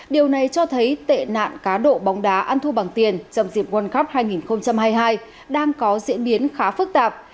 điều này cho thấy tệ nạn cá độ bóng đá ăn thua bằng tiền trong dịp world cup hai nghìn hai mươi hai đang có diễn biến khá phức tạp